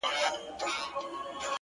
له قافلې څخه يو کس څاه ته راغلی.